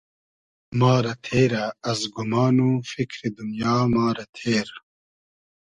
ما رۂ تېرۂ از گومان و فیکری دونیا ما رۂ تېر